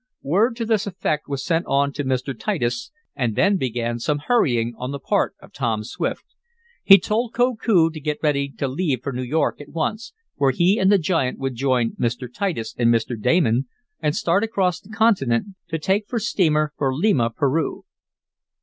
Word to this effect was sent on to Mr. Titus, and then began some hurrying on the part of Tom Swift. He told Koku to get ready to leave for New York at once, where he and the giant would join Mr. Titus and Mr. Damon, and start across the continent to take for steamer for Lima, Peru.